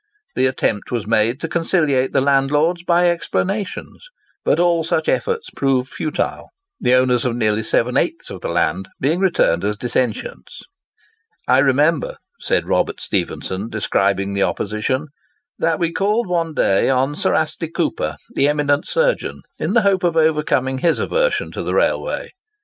The attempt was made to conciliate the landlords by explanations, but all such efforts proved futile, the owners of nearly seven eighths of the land being returned as dissentients. "I remember," said Robert Stephenson, describing the opposition, "that we called one day on Sir Astley Cooper, the eminent surgeon, in the hope of overcoming his aversion to the railway.